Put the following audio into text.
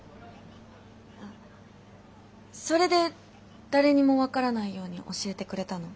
あそれで誰にも分からないように教えてくれたの？